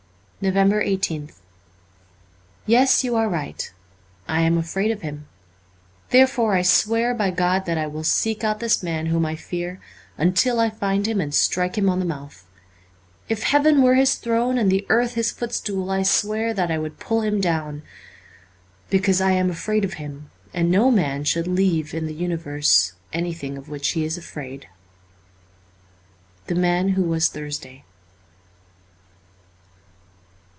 357 NOVEMBER i8th YES, you are right. I am afraid of him. Therefore I swear by God that I will seek out this man whom I fear until I find him and strike him on the mouth. If heaven were his throne and the earth his footstool I swear that I would pull him down. ... Because I am afraid of him ; and no man should leave in the universe anything of which he is afraid. ' Jhe Man who was Thursday.'